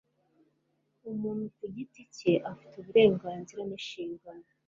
Umuntu ku giti cye afite uburenganzira ninshingano.